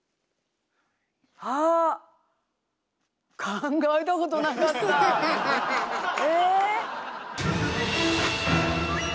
考えたことなかったえ？